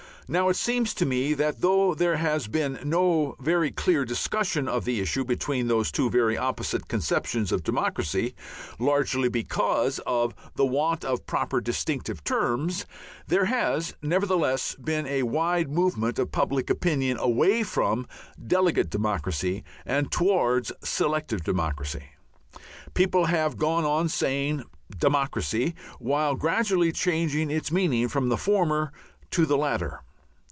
Now, it seems to me that though there has been no very clear discussion of the issue between those two very opposite conceptions of democracy, largely because of the want of proper distinctive terms, there has nevertheless been a wide movement of public opinion away from "delegate democracy" and towards "selective democracy." People have gone on saying "democracy," while gradually changing its meaning from the former to the latter.